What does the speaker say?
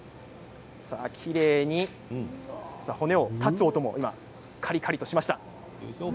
きれいに骨を断つ音もカリカリとしましたね、今。